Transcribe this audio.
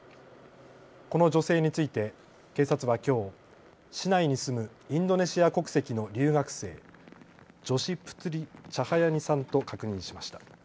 この女性について警察はきょう、市内に住むインドネシア国籍の留学生、ジョシ・プトゥリ・チャハヤニさんと確認しました。